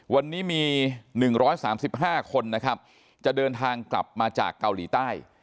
วันนี้มี๑๓๕คนนะครับจะเดินทางกลับมาจากเกาหลีใต้